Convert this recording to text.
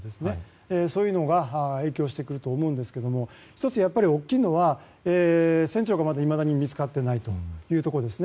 そういうのが影響してくると思うんですが１つ、やっぱり大きいのは船長がいまだに見つかっていないということです。